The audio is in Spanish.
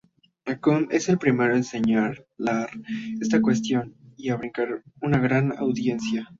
Accum es el primero en señalar esta cuestión y a recibir una gran audiencia.